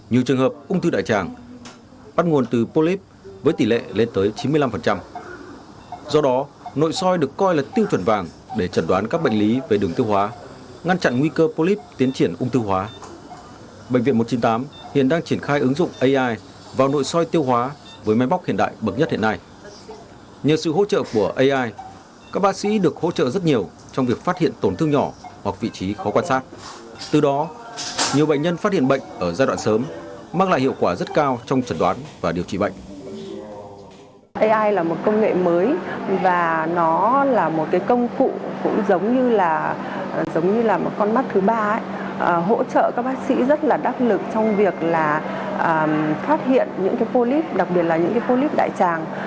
hỗ trợ các bác sĩ rất là đắc lực trong việc phát hiện những polyp đặc biệt là những polyp đại tràng